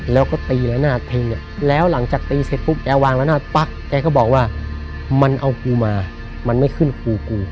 แล้วก็ตีแล้วนาดเพลงแหละแล้วหลังจากตีเสร็จพรุ่งแกวางแล้วนาดปะแกก็บอกว่ามันเอาคุมามันไม่ขึ้นคุกู